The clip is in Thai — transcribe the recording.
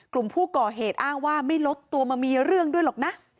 กลุ่มผู้ก่อเหตุอ้างว่าไม่ลดตัวมามีเรื่องด้วยหรอกนะ